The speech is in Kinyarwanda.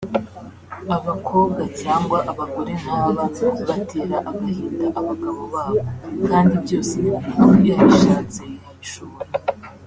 Abakobwa cyangwa abagore nk’aba batera agahinda abagabo babo kandi byose ni mu mutwe yabishatse yabishobora